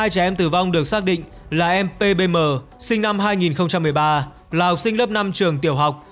hai trẻ em tử vong được xác định là em pbm sinh năm hai nghìn một mươi ba là học sinh lớp năm trường tiểu học